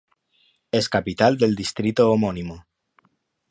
Es capital del distrito homónimo.